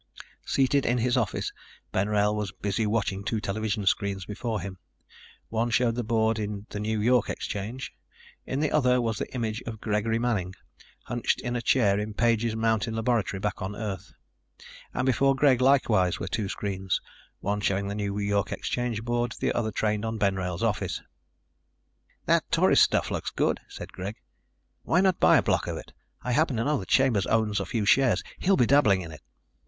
Seated in his office, Ben Wrail was busy watching two television screens before him. One showed the board in the New York exchange. In the other was the image of Gregory Manning, hunched in a chair in Page's mountain laboratory back on Earth. And before Greg likewise were two screens, one showing the New York exchange board, the other trained on Ben Wrail's office. "That Tourist stuff looks good," said Greg. "Why not buy a block of it? I happen to know that Chambers owns a few shares. He'll be dabbling in it."